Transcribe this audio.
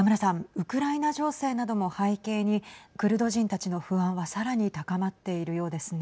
ウクライナ情勢なども背景にクルド人たちの不安はさらに高まっているようですね。